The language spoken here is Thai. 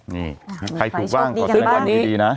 นี่ใครถูกบ้างขอแสดงวันนี้ดีนะ